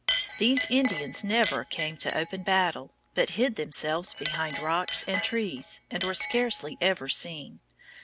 These Indians never came to open battle, but hid themselves behind rocks and trees, and were scarcely ever seen.